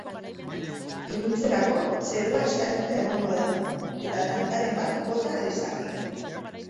Iluntzerako, zerua estalita egongo da, eta tantaren bat bota lezake.